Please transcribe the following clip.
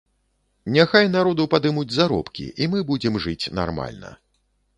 Няхай народу падымуць заробкі, і мы будзем жыць нармальна.